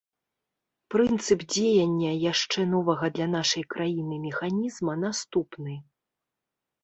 Прынцып дзеяння яшчэ новага для нашай краіны механізма наступны.